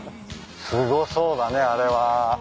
すごそうだねあれは。